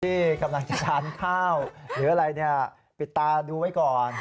ที่กำลังจะทานข้าวหรืออะไรปิดตาดูไว้ก่อน